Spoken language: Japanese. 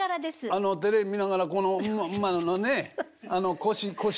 あのテレビ見ながらこの馬のね腰腰。